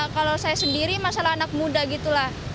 kalau saya sendiri masalah anak muda gitu lah